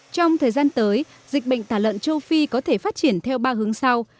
trong thời gian tới dịch bệnh tả lợn châu phi có thể phát triển theo ba hướng sau